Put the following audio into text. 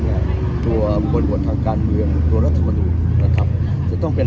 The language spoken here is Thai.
ตัวบริบททางการเมืองตัวรัฐมนูลนะครับจะต้องเป็น